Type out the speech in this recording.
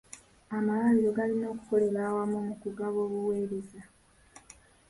Amalwaliro galina okukolera awamu mu kugaba obuweereza.